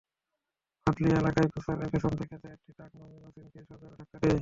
ভাদালিয়া এলাকায় পৌঁছালে পেছন দিক থেকে একটি ট্রাক নছিমনকে সজোরে ধাক্কা দেয়।